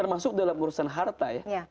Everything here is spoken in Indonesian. termasuk dalam urusan harta ya